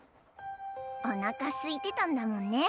おなかすいてたんだもんね。